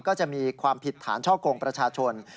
ก็จะมีความผิดฐานช่อกงประชาชน